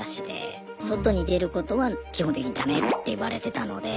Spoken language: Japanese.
外に出ることは基本的にダメって言われてたので。